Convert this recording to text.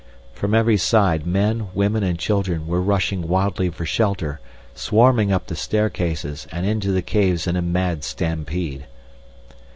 From every side men, women, and children were rushing wildly for shelter, swarming up the staircases and into the caves in a mad stampede.